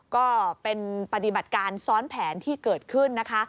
ก็เป็นปฏิบัติการซ้อนแผนที่เกิดขึ้นนะคะ